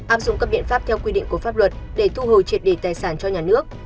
áp dụng các biện pháp theo quy định của pháp luật để thu hồi triệt đề tài sản cho nhà nước